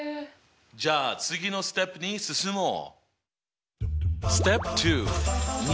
じゃあ次のステップに進もう！